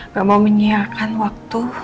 gak mau menyialkan waktu